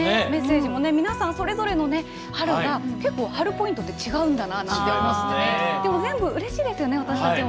メッセージも皆さんそれぞれの春が、結構、春ポイントって違うんだなって全部、うれしいですよね。